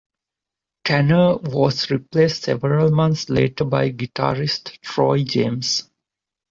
Tanner was replaced several months later by guitarist Troy James.